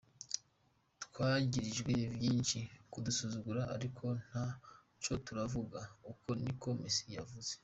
Twagirijwe vyinshi, kudusuzugura ariko nta co turavuga,” uko ni ko Messi yavuze.